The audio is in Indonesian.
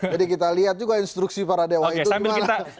jadi kita lihat juga instruksi para dewa itu gimana